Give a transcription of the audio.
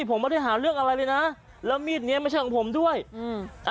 ผมไม่ได้หาเรื่องอะไรเลยนะแล้วมีดเนี้ยไม่ใช่ของผมด้วยอืม